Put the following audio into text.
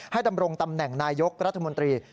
ดำรงตำแหน่งนายกรัฐมนตรี